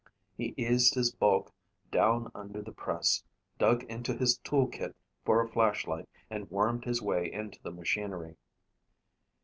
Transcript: He eased his bulk down under the press, dug into his tool kit for a flashlight and wormed his way into the machinery.